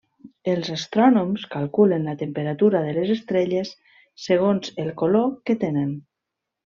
Els astrònoms calculen la temperatura de les estrelles segons el color que tenen.